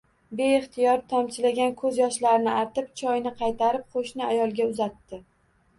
Beixtiyor tomchilagan koʻz yoshlarini artib, choyni qaytarib, qoʻshni ayolga uzatdi